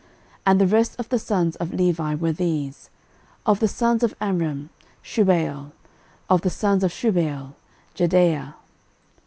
13:024:020 And the rest of the sons of Levi were these: Of the sons of Amram; Shubael: of the sons of Shubael; Jehdeiah.